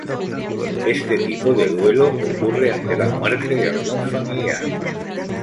Este tipo de duelo ocurre ante la muerte de algún familiar.